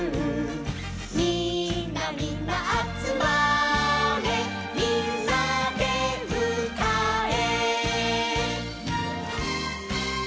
「みんなみんなあつまれ」「みんなでうたえ」